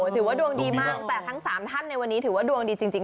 ถือว่าดวงดีมากแต่ทั้ง๓ท่านในวันนี้ถือว่าดวงดีจริง